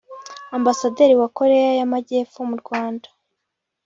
Ambasaderi wa Korea y’Amajyepfo mu Rwanda